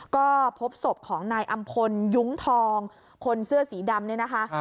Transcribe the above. ก็พบศพของนายอำพลยุ้งทองคนเสื้อสีดำเนี่ยนะคะ